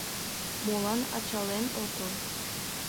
Молан ачален отыл?